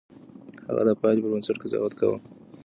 هغه د پايلې پر بنسټ قضاوت کاوه.